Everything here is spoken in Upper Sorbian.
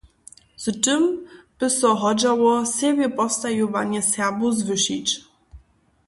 Z tym by so hodźało sebjepostajowanje Serbow zwyšić.